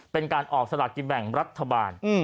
เป็นการออกสลากกินแบ่งรัฐบาล